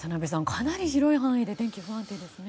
かなり広い範囲で天気が不安定ですね。